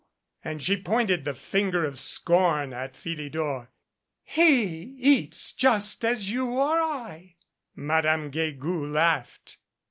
and she pointed the finger of scorn at Philidor. "He eats just as you or I." Madame Guegou laughed.